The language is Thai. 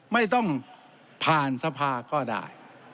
ไม่ต้องผ่านสภาก็ได้